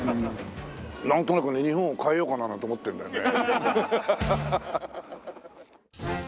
なんとなくね日本を変えようかななんて思ってるんだよね。